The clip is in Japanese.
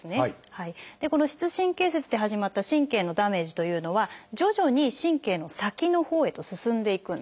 この膝神経節で始まった神経のダメージというのは徐々に神経の先のほうへと進んでいくんです。